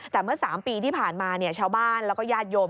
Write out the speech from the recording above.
แต่เมื่อ๓ปีที่ผ่านมาชาวบ้านแล้วก็ญาติโยม